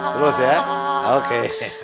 terus ya oke